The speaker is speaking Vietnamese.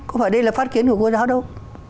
không phải đây là phát kiến của cô giáo đâu